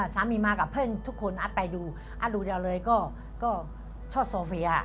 สามีมากับเพื่อนทุกคนไปดูดูเดียวเลยก็ชอบโซเฟีย